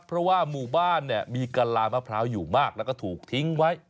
เพราะว่าหมู่บ้านเนี่ยมีกะลามะพร้าวอยู่มากแล้วก็ถูกทิ้งไว้